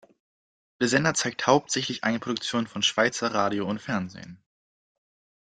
Der Sender zeigt hauptsächlich Eigenproduktionen von Schweizer Radio und Fernsehen.